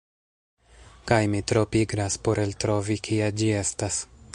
Kaj mi tro pigras por eltrovi kie ĝi estas.